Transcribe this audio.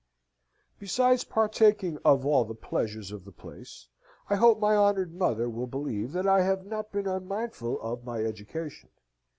"Besides partaking of all the pleasures of the place, I hope my honoured mother will believe that I have not been unmindful of my education.